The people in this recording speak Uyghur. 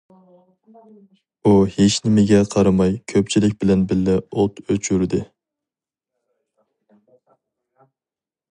ئۇ ھېچنېمىگە قارىماي كۆپچىلىك بىلەن بىللە ئوت ئۆچۈردى.